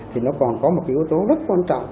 thì nó còn có một cái yếu tố rất quan trọng